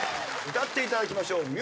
歌っていただきましょう。